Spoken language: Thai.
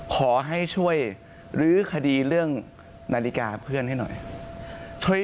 ขอให้ช่วยลื้อคดีเรื่องนาฬิกาเพื่อนให้หน่อย